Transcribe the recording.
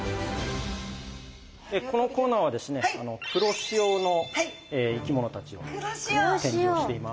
このコーナーはですね黒潮の生き物たちの展示をしています。